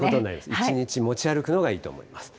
一日持ち歩くのがいいと思います。